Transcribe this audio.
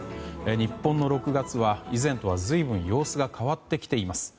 日本の６月は以前とは随分様子が変わってきています。